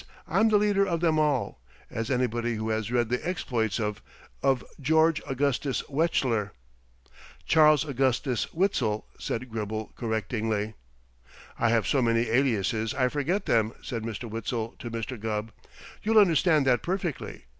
'I'm the leader of them all, as anybody who has read the exploits of of George Augustus Wechsler .'" "Charles Augustus Witzel," said Gribble, correctingly. "I have so many aliases I forget them," said Mr. Witzel to Mr. Gubb. "You'll understand that perfectly.